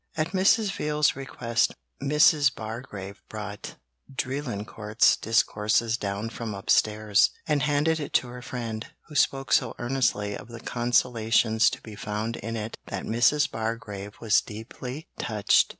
At Mrs. Veal's request, Mrs. Bargrave brought Drelincourt's discourses down from upstairs, and handed it to her friend, who spoke so earnestly of the consolations to be found in it that Mrs. Bargrave was deeply touched.